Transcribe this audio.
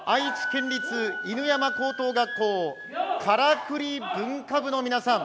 県立犬山高等学校、からくり文化部の皆さん。